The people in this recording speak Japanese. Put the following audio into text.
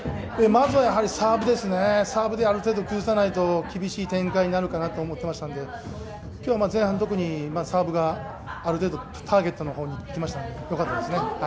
まずはやはりサーブである程度崩さないと厳しい展開になるかなと思ってましたんで、今日は前半、特にサーブがターゲットの方にいきましたのでよかったですね。